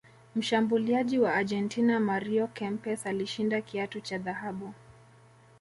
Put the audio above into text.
mshambuliaji wa argentina mario Kempes alishinda kiatu cha dhahabu